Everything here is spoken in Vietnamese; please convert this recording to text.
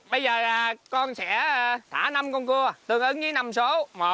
bây giờ là con sẽ thả năm con cua tương ứng với năm số